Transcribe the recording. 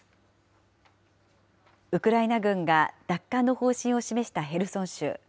ウクライナ軍が奪還の方針を示したヘルソン州。